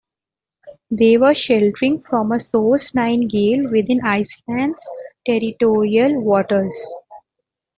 They were sheltering from a force nine gale within Iceland's territorial waters.